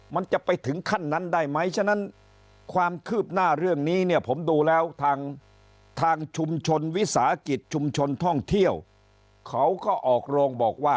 มันจะไปถึงขั้นนั้นได้ไหมฉะนั้น